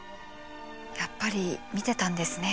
やっぱり見てたんですね。